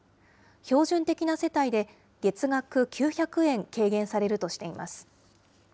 標準的な世帯で月額９００円軽減されるとしています。